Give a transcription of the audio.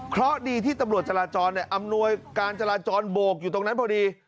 เพราะดีที่ตำรวจจราจรอำนวยการจราจรโบกอยู่ตรงนั้นพอดี